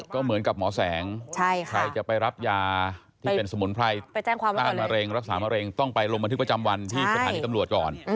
ก็เหมือนกับหมอแสงใครจะไปรับยาที่เป็นสมุนไพรต้านมะเร็งรักษามะเร็งต้องไปลงบันทึกประจำวันที่สถานีตำรวจก่อน